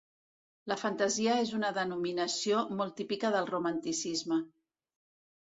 La fantasia és una denominació molt típica del Romanticisme.